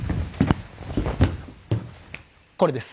これです。